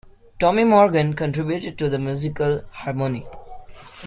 Tommy Morgan contributed to the musical harmony.